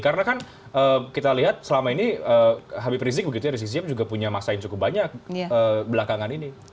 karena kan kita lihat selama ini habib rizik begitu rizik sihab juga punya masain cukup banyak belakangan ini